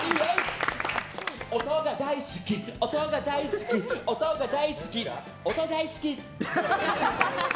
音が大好き、音が大好き音が大好き、音大好き！